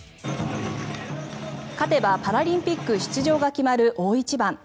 勝てばパラリンピック出場が決まる大一番。